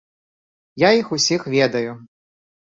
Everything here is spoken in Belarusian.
Я іх усіх ведаю.